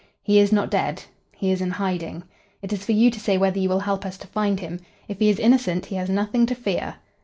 He is not dead. He is in hiding. It is for you to say whether you will help us to find him. If he is innocent he has nothing to fear."